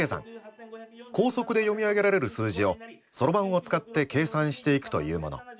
高速で読み上げられる数字をそろばんを使って計算していくというもの。